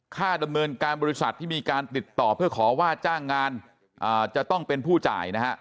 ค่าดำเนินการบริษัทที่มีการติดต่อเพื่อขอว่าจ้างงานจะต้องเป็นผู้จ่ายนะฮะ